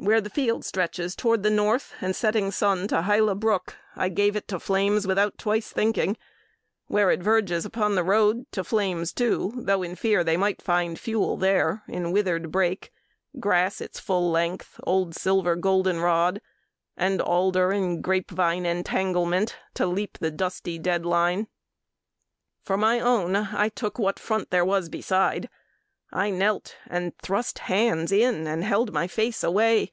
Where the field stretches toward the north And setting sun to Hyla brook, I gave it To flames without twice thinking, where it verges Upon the road, to flames too, though in fear They might find fuel there, in withered brake, Grass its full length, old silver golden rod, And alder and grape vine entanglement, To leap the dusty deadline. For my own I took what front there was beside. I knelt And thrust hands in and held my face away.